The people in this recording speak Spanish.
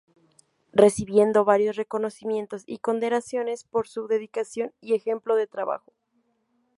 Recibiendo varios reconocimientos y condecoraciones por su dedicación y ejemplo de trabajo.